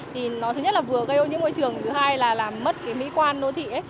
thứ nhất là vừa gây ô nhiễm môi trường thứ hai là làm mất mỹ quan nô thị